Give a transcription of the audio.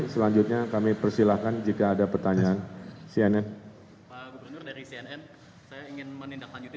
selanjutnya kami persilahkan jika ada pertanyaan cnn pak gubernur dari cnn saya ingin menindaklanjuti